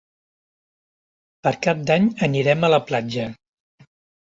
Per Cap d'Any anirem a la platja.